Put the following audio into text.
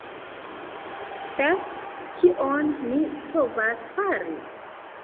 Fek! Kion mi povas fari?